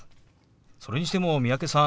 それにしても三宅さん